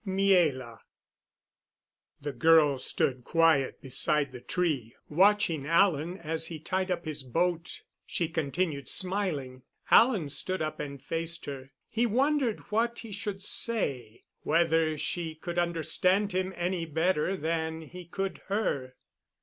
MIELA. The girl stood quiet beside the tree, watching Alan as he tied up his boat. She continued smiling. Alan stood up and faced her. He wondered what he should say whether she could understand him any better than he could her.